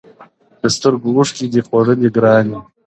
د سترگو اوښکي دي خوړلي گراني .